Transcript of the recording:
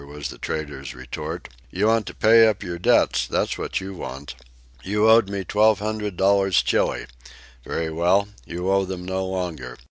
was the trader's retort. "You want to pay up your debts, that's what you want. You owed me twelve hundred dollars Chili. Very well; you owe them no longer.